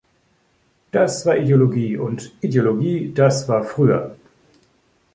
Das war Ideologie und Ideologie, das war früher“.